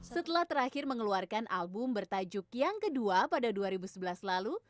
setelah terakhir mengeluarkan album bertajuk yang kedua pada dua ribu sebelas lalu